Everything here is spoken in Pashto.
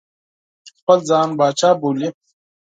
خپل ځان پاچا باله.